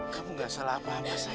kamu tidak salah apa apa sayang